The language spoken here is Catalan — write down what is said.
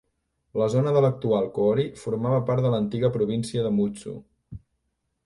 La zona de l'actual Koori formava part de l'antiga província de Mutsu.